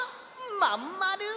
まんまる！